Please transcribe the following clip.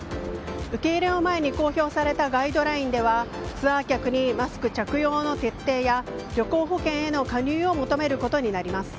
受け入れを前に公表されたガイドラインではツアー客にマスク着用の徹底や旅行保険への加入を求めることになります。